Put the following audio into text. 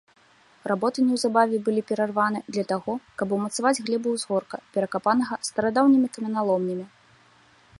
Работы неўзабаве былі перарваны для таго, каб умацаваць глебу ўзгорка, перакапанага старадаўнімі каменяломнямі.